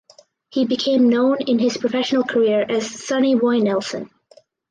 He became known in his professional career as Sonny Boy Nelson.